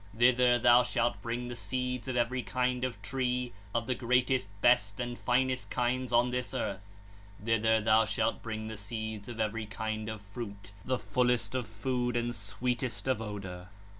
28 (74). Thither thou shalt bring the seeds of every kind of tree, of the greatest, best, and finest kinds on this earth; thither thou shalt bring the seeds of every kind of fruit, the fullest of food and sweetest of odour.